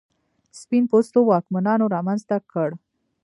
سپین پوستو واکمنانو رامنځته کړ.